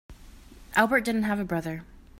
Albert didn't have a brother.